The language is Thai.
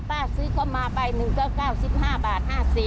ป้าซื้อเข้ามาไปหนึ่งก็๙๕บาท๕๐